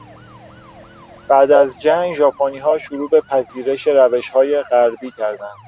بعد از جنگ ژاپنیها شروع به پذیرش روشهای غربی کردند.